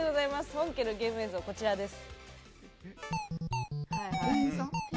本家のゲーム映像、こちらです。